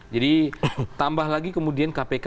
jadi tambah lagi kemudian kpk